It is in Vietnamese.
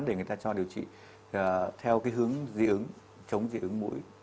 để người ta cho điều trị theo cái hướng dị ứng chống dị ứng mũi